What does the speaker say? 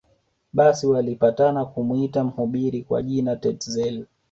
Basi walipatana kumuita mhubiri kwa jina Tetzel